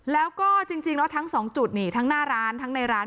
แล้วก็จริงแล้วทั้งสองจุดนี่ทั้งหน้าร้านทั้งในร้าน